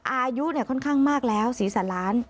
อายุเนี่ยค่อนข้างมากแล้วศีรษะล้าน